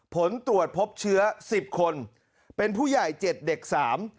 ผลตรวจพบเชื้อสิบคนเป็นผู้ใหญ่เจ็ดเด็กสาม